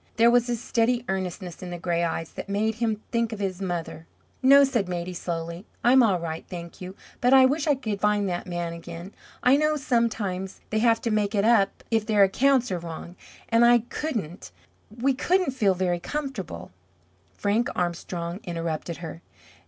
There was a steady earnestness in the gray eyes that made him think of his mother. "No," said Maidie, slowly. "I'm all right, thank you. But I wish I could find that man again. I know sometimes they have to make it up if their accounts are wrong, and I couldn't we couldn't feel very comfortable " Frank Armstrong interrupted her.